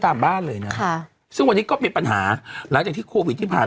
บ้านเลยนะค่ะซึ่งวันนี้ก็มีปัญหาหลังจากที่โควิดที่ผ่าน